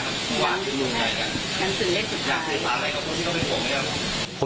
ถ้าคุณถามอะไรก็คุณที่ก็ไม่กลัวไหมครับ